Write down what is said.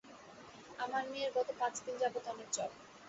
আমার মেয়ের গত পাঁচ দিন যাবৎ অনেক জ্বর।